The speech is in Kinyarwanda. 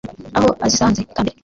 Aho azisanze ikambere